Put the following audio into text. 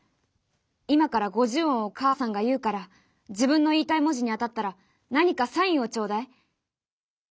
今から五十音を母さんが言うから自分の言いたい文字に当たったら何かサインをちょうだい」。